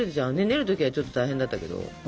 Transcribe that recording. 練る時はちょっと大変だったけど。